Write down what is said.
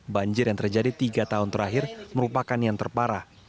banjir yang terjadi tiga tahun terakhir merupakan yang terparah